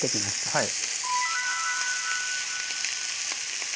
はい。